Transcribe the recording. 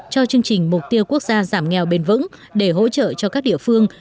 cho chương trình mục tiêu quốc gia giảm nghèo bền vững để hỗ trợ cho các địa phương